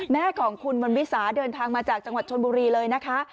แม่ของคุณวันวิสาเดินทางมาจากจังหวัดชนบุรีเลยนะคะ